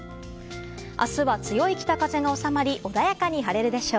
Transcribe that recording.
明日は強い北風が収まり穏やかに晴れるでしょう。